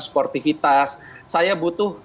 sportivitas saya butuh